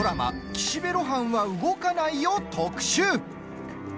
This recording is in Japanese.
「岸辺露伴は動かない」を特集。